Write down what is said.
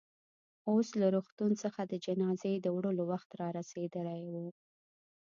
اوس له روغتون څخه د جنازې د وړلو وخت رارسېدلی و.